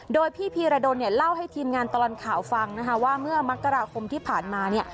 โดยพี่พีรโดนเล่าให้ทีมงานตอนข่าวฟังว่าเมื่อมักราคมที่ผ่านมา